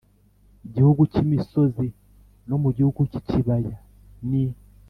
gihugu cy imisozi no mu gihugu cy ikibaya n i